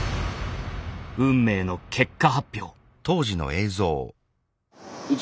運命の結果発表。